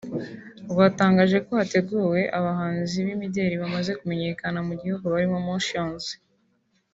ryatangaje ko hateguwe abahanzi b’imideli bamaze kumenyakana mu gihugu barimo Moshions